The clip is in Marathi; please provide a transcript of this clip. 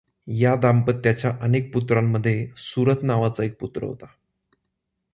या दांपत्याच्या अनेक पुत्रांमध्ये सुरथ नावाचा एक पुत्र होता.